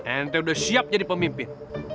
ente udah siap jadi pemimpin